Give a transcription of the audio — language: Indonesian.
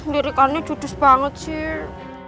lirikannya judus banget sih